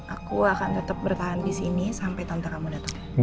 aku akan tetep bertahan di sini sampai tante kamu dateng